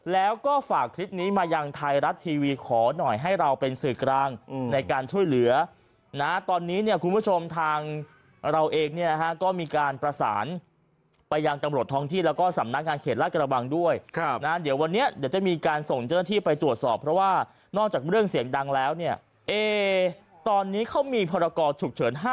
แล้วก็ฝากคลิปนี้มายังไทยรัฐทีวีขอหน่อยให้เราเป็นสื่อกลางในการช่วยเหลือนะตอนนี้เนี่ยคุณผู้ชมทางเราเองเนี่ยนะฮะก็มีการประสานไปยังตำรวจท้องที่แล้วก็สำนักงานเขตลาดกระบังด้วยนะเดี๋ยววันนี้เดี๋ยวจะมีการส่งเจ้าหน้าที่ไปตรวจสอบเพราะว่านอกจากเรื่องเสียงดังแล้วเนี่ยเอ๊ตอนนี้เขามีพรกรฉุกเฉิน๕